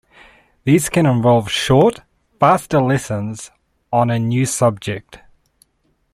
These can involve short, faster lessons on a new subject.